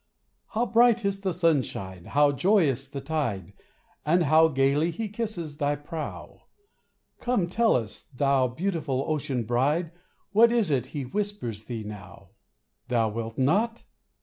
How bright is the sunshine, how joyous the tide, And how gaily he kisses thy prow ! Come, tell us, thou beautiful ocean bride, What is it he whispers thee now ? Thou wilt not?